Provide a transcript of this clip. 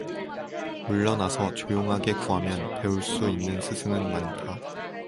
물러나서 조용하게 구하면 배울 수 있는 스승은 많다.